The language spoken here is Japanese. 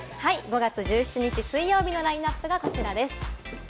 ５月１７日水曜日のラインナップはこちらです。